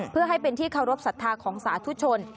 เพื่อให้เป็นที่เคารพสัทธาของสาธุชน